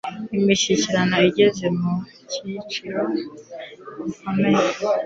Imishyikirano igeze mu cyiciro gikomeye.